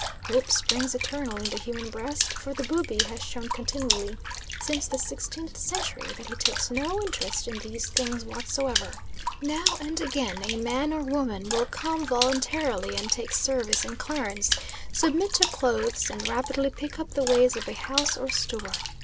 Hope springs eternal in the human breast, for the Bubi has shown continually since the 16th century that he takes no interest in these things whatsoever. Now and again a man or woman will come voluntarily and take service in Clarence, submit to clothes, and rapidly pick up the ways of a house or store.